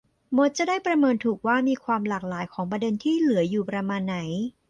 มดจะได้ประเมินถูกว่ามีความหลากหลายของประเด็นที่เหลืออยู่ประมาณไหน